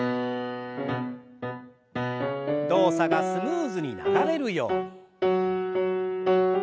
動作がスムーズに流れるように。